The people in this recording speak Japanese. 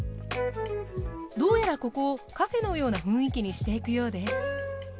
どうやらここをカフェのような雰囲気にしていくようです。